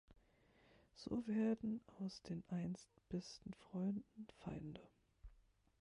So werden aus den einst besten Freunden Feinde.